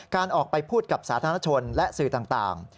การออกไปพูดกับสาธารณชนและสื่อต่าง